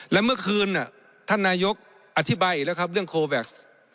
และเมื่อคืนท่านนายกอธิบายอีกแล้วครับเรื่องโคแว็กซ์